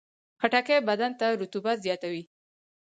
خټکی بدن ته رطوبت زیاتوي.